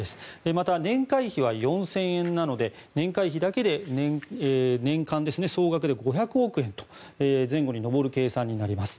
また年会費は４０００円なので年会費だけで年間総額５００億円前後に上る計算になります。